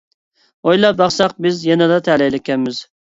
ئويلاپ باقساق بىز يەنىلا تەلەيلىككەنمىز.